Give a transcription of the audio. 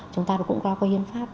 chúng ta cũng đã có hiên pháp